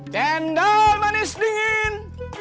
cendol manis dingin